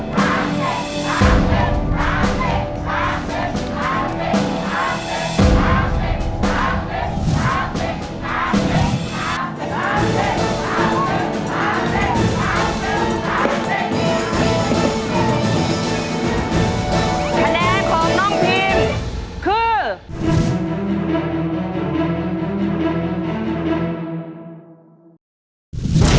คะแนนของน้องพีมคือ